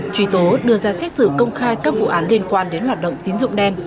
truy tố đưa ra xét xử công khai các vụ án liên quan đến hoạt động tín dụng đen